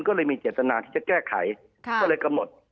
ก็เลยมีเจตนาที่จะแก้ไขก็เลยกำหนด